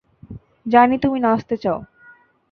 জানি, তুমি নাচতে চাও।